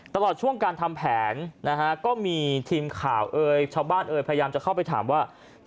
ตลอดช่วงการทำแผนนะฮะก็มีทีมข่าวเอ่ยชาวบ้านเอ่ยพยายามจะเข้าไปถามว่า